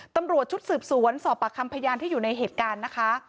ตำรวจชุดสืบสวนสอบปากคำพยานที่อยู่ในเหตุการณ์นะคะ